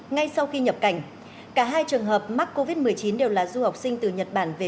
ngay sau khi nhập cảnh cả hai trường hợp mắc covid một mươi chín đều là du học sinh từ nhật bản về